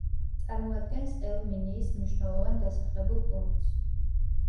წარმოადგენს ელ-მინიის მნიშვნელოვან დასახლებულ პუნქტს.